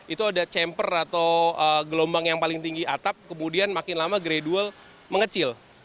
itu ada champer atau gelombang yang paling tinggi atap kemudian makin lama gradual mengecil